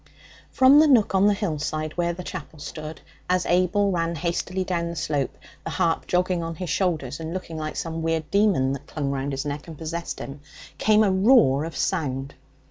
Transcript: From the nook on the hillside where the chapel stood, as Abel ran hastily down the slope the harp jogging on his shoulders and looking like some weird demon that clung round his neck and possessed him came a roar of sound.